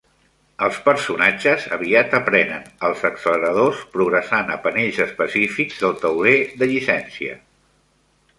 Els personatges aviat aprenen els acceleradors progressant a panells específics del tauler de llicència.